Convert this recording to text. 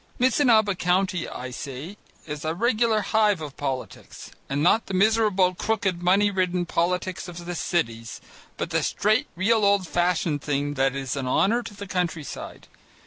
Missinaba County, I say, is a regular hive of politics, and not the miserable, crooked, money ridden politics of the cities, but the straight, real old fashioned thing that is an honour to the country side.